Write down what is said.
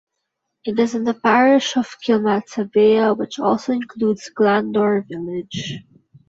It is in the parish of Kilmacabea which also includes Glandore village.